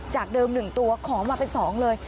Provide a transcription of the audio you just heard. จากเดิม๑ตัวขอมาเป็น๒เลย